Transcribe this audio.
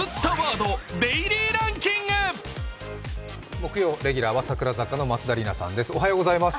木曜レギュラーは櫻坂の松田里奈さんです。